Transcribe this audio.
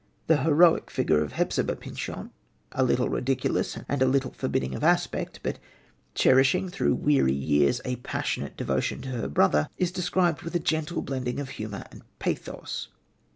The heroic figure of Hepzibah Pyncheon, a little ridiculous and a little forbidding of aspect, but cherishing through weary years a passionate devotion to her brother, is described with a gentle blending of humour and pathos.